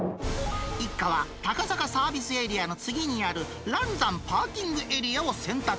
一家は高坂サービスエリアの次にある嵐山パーキングエリアを選択。